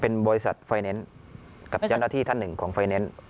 เป็นบริษัทไฟแนนซ์กับเจ้าหน้าที่ท่านหนึ่งของไฟแนนซ์